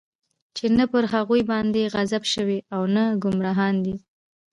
چې نه پر هغوى باندې غضب شوى او نه ګمراهان دی.